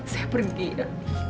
saya pergi nadia